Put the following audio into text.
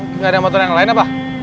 nggak ada motor yang lain apa